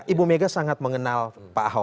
ibu mega sangat mengenal pak ahok